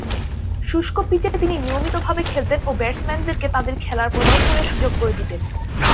শুষ্ক পিচে তিনি নিয়মিতভাবে খেলতেন ও ব্যাটসম্যানদেরকে তাদের খেলার প্রদর্শনের সুযোগ করে দিতেন।